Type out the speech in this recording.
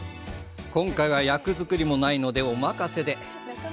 今回は役作りもないのでお任せで。